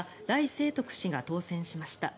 清徳氏が当選しました。